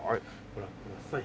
ご覧ください。